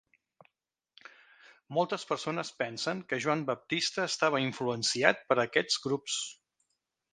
Moltes persones pensen que Joan Baptista estava influenciat per aquests grups.